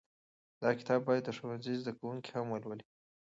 دا کتاب باید د ښوونځي زده کوونکي هم ولولي.